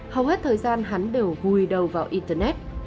hầu hết thời gian hắn đều hùi đầu vào internet